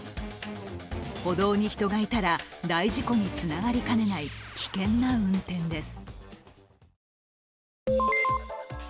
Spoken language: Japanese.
歩道に人がいたら大事故につながりかねない危険な運転です。